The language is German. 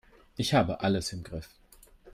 Ich habe alles im Griff.